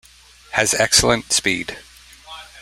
Has excellent speed.